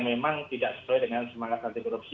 memang tidak sesuai dengan semangat anti korupsi